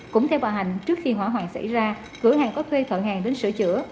cũng theo bà hạnh trước khi hỏa hoạn xảy ra cửa hàng có thuê thợ hàng đến sửa chữa